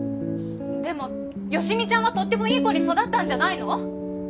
でも好美ちゃんはとってもいい子に育ったんじゃないの？